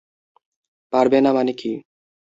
পারবে না মানে কী?